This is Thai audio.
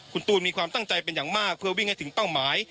คุณตูนมีความตั้งใจเป็นอย่างมากเพื่อวิ่งให้ถึงเป้าหมาย